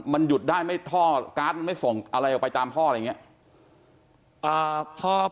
มันหยุดได้ไม่ท่อการ์ดมันไม่ส่งอะไรออกไปตามท่ออะไรอย่างนี้